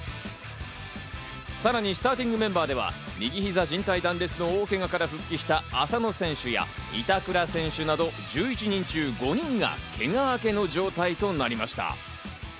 さらにスターティングメンバーでは、右ひざ靭帯断裂の大けがから復帰した浅野選手や板倉選手など、１１人中５人がけが明けの状態となりました。